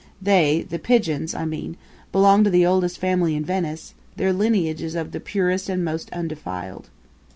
They the pigeons, I mean belong to the oldest family in Venice; their lineage is of the purest and most undefiled.